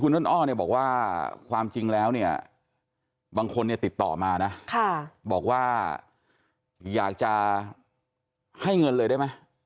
คุณต้นอ้อบอกว่าความจริงแล้วบางคนติดต่อมาบอกว่าอยากจะให้เงินเลยได้ไหม